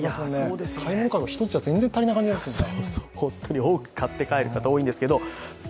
買い物カゴ１つじゃ、全然足りない感じですもんね。